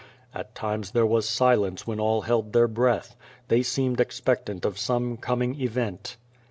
'^ At times there w^as silence when all held their breath. They seemed expectant of some coming event.